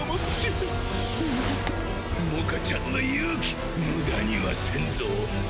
うぅうぅモカちゃんの勇気無駄にはせんぞ！